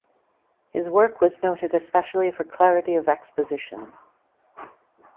His work was noted especially for clarity of exposition.